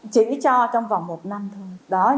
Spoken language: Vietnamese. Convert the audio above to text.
chỉ cho trong vòng một năm thôi